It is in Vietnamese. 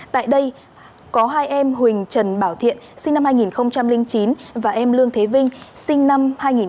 tại đây có hai em huỳnh trần bảo thiện sinh năm hai nghìn chín và em lương thế vinh sinh năm hai nghìn